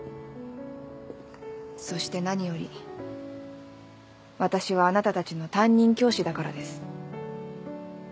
そして何より私はあなたたちの担任教師だからです。